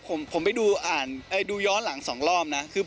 ผมไปดูย้อนหลังสองรอบนะ